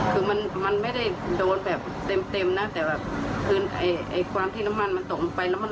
คือมันไม่ได้โดนแบบเต็มนะแต่แบบคือไอ้ความที่น้ำมันมันตกลงไปแล้วมัน